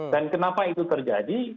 dan kenapa itu terjadi